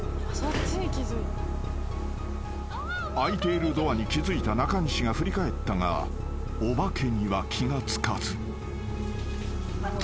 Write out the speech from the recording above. ［開いているドアに気付いた中西が振り返ったがお化けには気が付かず］